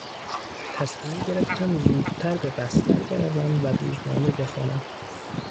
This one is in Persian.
تصمیم گرفتم زودتر به بستر بروم و روزنامه بخوانم.